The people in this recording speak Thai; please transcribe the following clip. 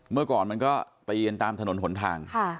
เมื่อก่อนมันก็ตีกันตามถนนหนทาง